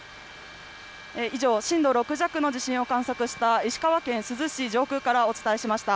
以上、震度６弱の地震を観測した石川県珠洲市上空からお伝えしました。